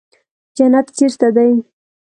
جنت چېرته دى.